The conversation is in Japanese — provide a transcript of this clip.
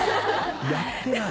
やってない？